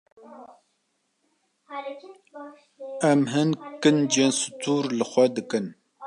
Em hin kincên stûr li xwe dikin.